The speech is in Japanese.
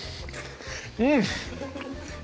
うん！